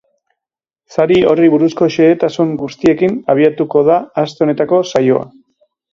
Sari horri buruzko xehetasun guztiekin abiatuko da aste honetako saioa.